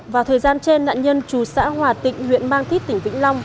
vào thời gian trên nạn nhân chú xã hòa tịnh huyện mang thít tỉnh vĩnh long